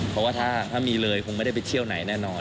เพราะว่าถ้ามีเลยคงไม่ได้ไปเที่ยวไหนแน่นอน